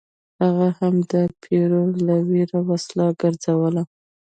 هغه هم د پیرو له ویرې وسله ګرځوله.